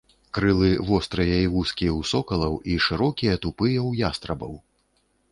Крылы вострыя і вузкія ў сокалаў і шырокія, тупыя ў ястрабаў.